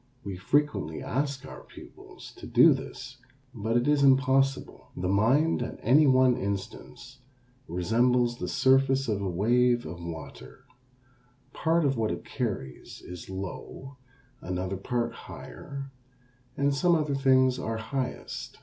We frequently ask our pupils to do this, but it is impossible. The mind at any one instant resembles the surface of a wave of water, part of what it carries is low, another part higher, and some other things are highest.